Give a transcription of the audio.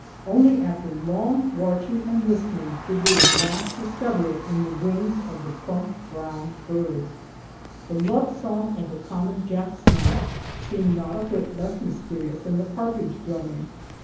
Only after long watching and listening did we at last discover it in the wings of the plump brown bird. The love song of the common jack snipe seemed not a whit less mysterious than partridge drumming.